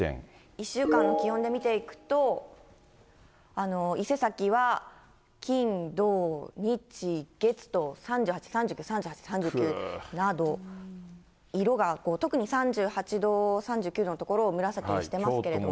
１週間の気温で見ていくと、伊勢崎は金、土、日、月と３８、３９、３８、３９など、色が、特に３８度、３９度の所を紫にしてますけれども。